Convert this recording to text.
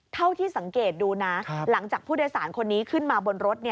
เท่าที่สังเกตดูนะหลังจากผู้โดยสารคนนี้ขึ้นมาบนรถ